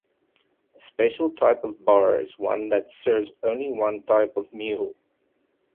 A special type of bar is one that serves only one type of meal.